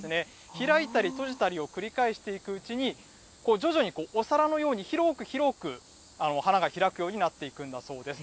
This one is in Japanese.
開いたり閉じたりを繰り返していくうちに、徐々にお皿のように広く広く、花が開くようになっていくんだそうです。